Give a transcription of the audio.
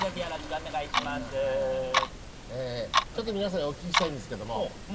ちょっと皆さんにお聞きしたいんですけども。